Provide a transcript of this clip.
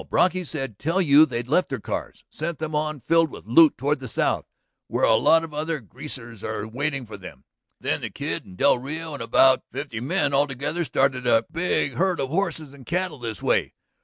Brocky said tell you they'd left their cars, sent them on filled with loot toward the south, where a lot of other Greasers are waiting for them; then the Kid and del Rio and about fifty men altogether started a big herd of horses and cattle this way.